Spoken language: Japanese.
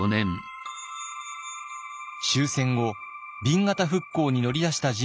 終戦後紅型復興に乗り出した人物がいます。